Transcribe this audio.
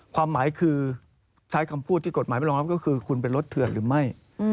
ความหมายคือใช้คำพูดที่กฎหมายไม่รองรับก็คือคุณเป็นรถเถื่อนหรือไม่